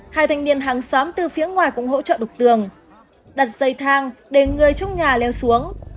hai thanh niên hàng xóm từ phía ngoài cũng hỗ trợ đục tường đặt dây thang để người trong nhà leo xuống